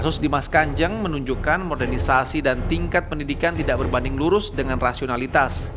kasus dimas kanjeng menunjukkan modernisasi dan tingkat pendidikan tidak berbanding lurus dengan rasionalitas